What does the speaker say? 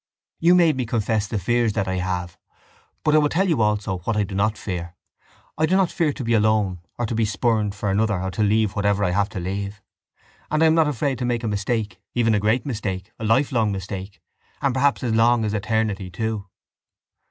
—You made me confess the fears that I have. But I will tell you also what I do not fear. I do not fear to be alone or to be spurned for another or to leave whatever I have to leave. And I am not afraid to make a mistake, even a great mistake, a lifelong mistake, and perhaps as long as eternity too.